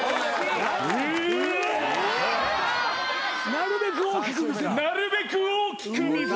なるべく大きく見せる。